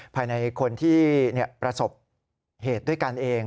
ภายในคนที่ประสบเหตุด้วยกันเอง